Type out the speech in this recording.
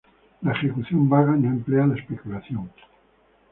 La ejecución vaga no emplea la especulación.